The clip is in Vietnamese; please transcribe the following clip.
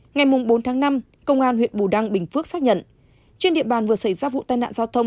ngày bốn tháng năm công an huyện bù đăng bình phước xác nhận trên địa bàn vừa xảy ra vụ tai nạn giao thông